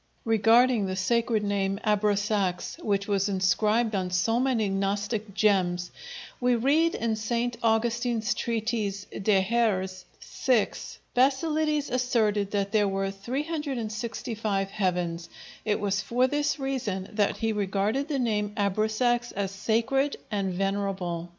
Regarding the sacred name Abrasax, which was inscribed on so many Gnostic gems, we read in St. Augustine's treatise De hæres., vi, "Basilides asserted that there were 365 heavens; it was for this reason that he regarded the name Abrasax as sacred and venerable."